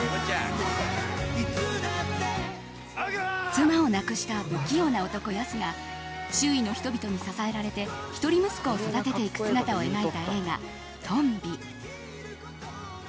妻を亡くした不器用な男ヤスが周囲の人々に支えられて一人息子を育てていく姿を描いた「とんび」。